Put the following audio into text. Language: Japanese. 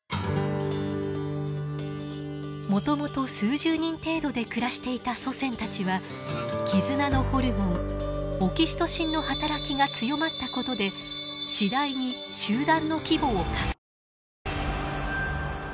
もともと数十人程度で暮らしていた祖先たちは絆のホルモンオキシトシンの働きが強まったことで次第に集団の規模を拡大。